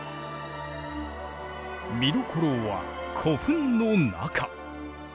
見どころは古墳の中。